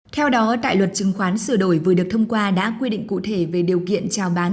theo đó tại luật chứng khoán sửa đổi vừa được thông qua đã quy định cụ thể về điều kiện trao bán